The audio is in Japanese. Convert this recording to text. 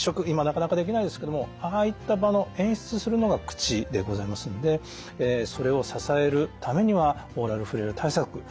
今なかなかできないですけれどもああいった場の演出するのが口でございますのでそれを支えるためにはオーラルフレイル対策